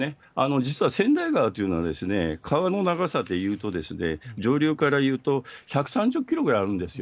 実は川内川というのは、川の長さでいうと、上流からいうと１３０キロぐらいあるんですよ。